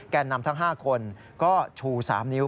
นำทั้ง๕คนก็ชู๓นิ้ว